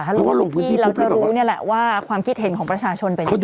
เราก็ลงพื้นที่เราจะรู้นี่แหละว่าความคิดเห็นของประชาชนเป็นยังไง